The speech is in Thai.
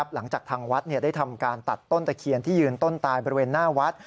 หลังจากทางวัดได้ทำการตัดต้นตะเคียนที่ยืนต้นตายบริเวณหน้าวัด